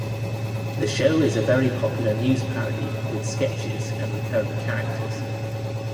The show is a very popular news parody with sketches and recurring characters.